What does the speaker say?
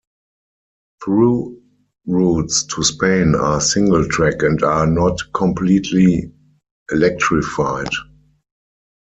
Through routes to Spain are single-track and are not completely electrified.